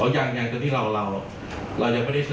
อ๋อยังยังตอนนี้เราเราจะไม่ได้สรุปว่าบทโค้กเอาไปให้นะครับ